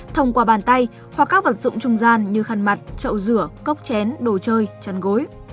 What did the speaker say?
thông qua bàn tay hoặc các vật dụng trung gian như khăn mặt chậu rửa cốc chén đồ chơi chăn gối